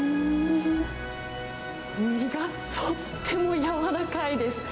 身がとっても柔らかいです。